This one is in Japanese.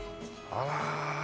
あら。